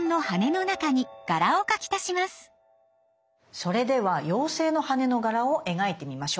それでは妖精の羽の柄を描いてみましょう。